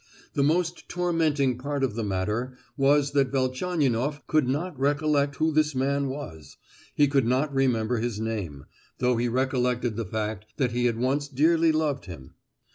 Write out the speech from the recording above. The most tormenting part of the matter was that Velchaninoff could not recollect who this man was,—he could not remember his name,—though he recollected the fact that he had once dearly loved him.